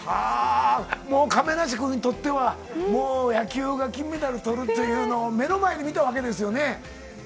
亀梨君にとっては、野球が金メダルを取るというのを目の前で見たわけですよね。